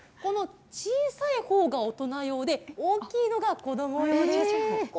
小さいほうが大人用で大きいのが子ども用です。